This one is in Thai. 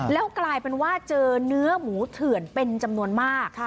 แล้วกลายเป็นว่าเจอเนื้อหมูเถื่อนเป็นจำนวนมาก